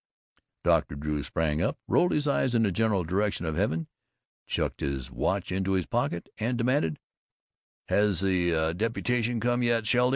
Dr. Drew sprang up, rolled his eyes in the general direction of Heaven, chucked his watch into his pocket, and demanded, "Has the deputation come yet, Sheldy?"